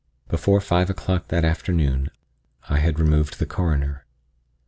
Before five o'clock that afternoon I had removed the Coroner.